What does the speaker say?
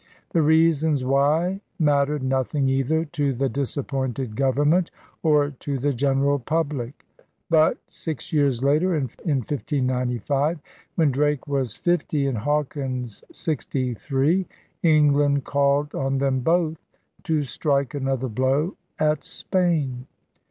The reasons why mattered nothing either to the disappointed government or to the general public. But, six years later, in 1595, when Drake was fifty and Hawkins sixty three, England called on them both to strike another blow at Spain.